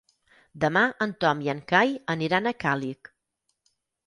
Demà en Tom i en Cai aniran a Càlig.